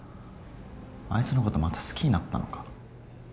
あいつのことまた好きになったのか？